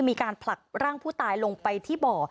มีการผลักร่างผู้ตายลงไปที่บ่อ